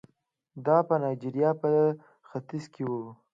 دا په نایجریا په ختیځ کې وو.